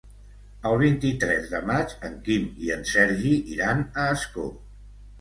El vint-i-tres de maig en Quim i en Sergi iran a Ascó.